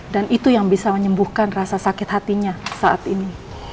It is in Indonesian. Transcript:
dan itu yang bisa menyembuhkan rasa sakit hatinya saat ini